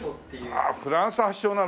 ああフランス発祥なの？